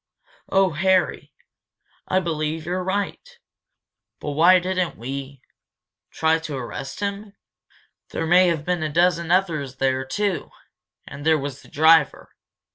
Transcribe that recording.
"Oh, Harry! I believe you're right! But why didn't we " "Try to arrest him? There may have been a dozen others there, too. And there was the driver.